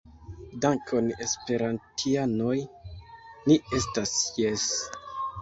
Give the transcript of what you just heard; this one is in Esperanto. Dankon, esperantianoj ni estas Jes